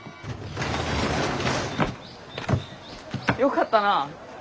よかったな。